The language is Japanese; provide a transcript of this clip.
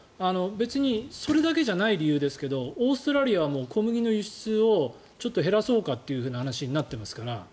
それだけじゃない理由ですけどオーストラリアは小麦の輸出をちょっと減らそうかという話になっていますから。